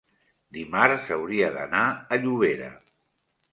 dimarts hauria d'anar a Llobera.